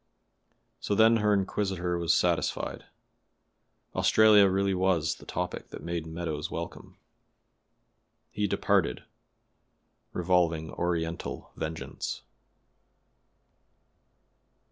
So then her inquisitor was satisfied; Australia really was the topic that made Meadows welcome. He departed, revolving Oriental vengeance.